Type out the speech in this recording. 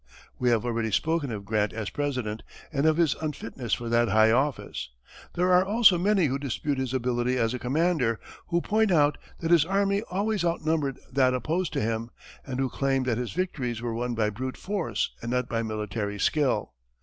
We have already spoken of Grant as President, and of his unfitness for that high office. There are also many who dispute his ability as a commander, who point out that his army always outnumbered that opposed to him, and who claim that his victories were won by brute force and not by military skill.